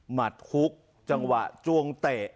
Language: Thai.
หัดฮุกจังหวะจวงเตะ